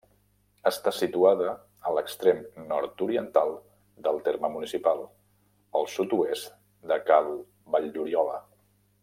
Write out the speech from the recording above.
Està situada a l'extrem nord-oriental del terme municipal, al sud-oest de Cal Valldoriola.